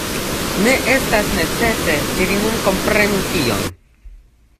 Ne estas necese, ke vi nun komprenu tion.